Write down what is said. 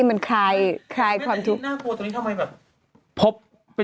มันคลายความถูกน่ากลัวตอนนี้ทำไมแบบ